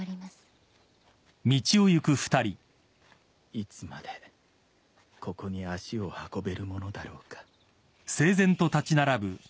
いつまでここに足を運べるものだろうか。